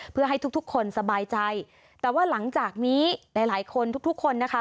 เพื่อให้ทุกทุกคนสบายใจแต่ว่าหลังจากนี้หลายหลายคนทุกทุกคนนะคะ